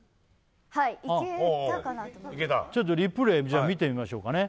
はいちょっとリプレイ見てみましょうかね